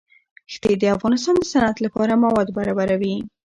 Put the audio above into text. ښتې د افغانستان د صنعت لپاره مواد برابروي.